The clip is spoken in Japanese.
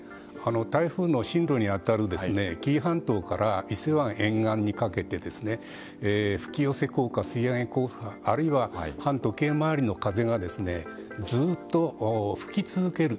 台風の進路に当たる紀伊半島から伊勢湾沿岸にかけて吹き寄せ効果、吸い上げ効果あるいは反時計回りの風がずっと吹き続ける。